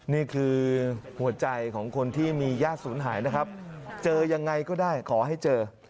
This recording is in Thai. นี่คือหัวใจของคนที่มีญาติศูนย์หายนะครับเจอยังไงก็ได้ขอให้เจอ